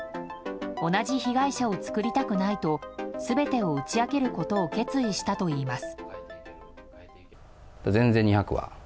同じ被害者を作りたくないと全てを打ち明けることを決意したといいます。